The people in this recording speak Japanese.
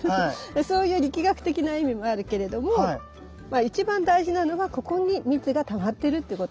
そういう力学的な意味もあるけれども一番大事なのがここに蜜がたまってるっていうこと。